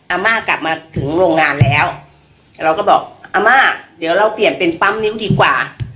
อาม่ากลับมาถึงโรงงานแล้วเราก็บอกอาม่าเดี๋ยวเราเปลี่ยนเป็นปั๊มนิ้วดีกว่า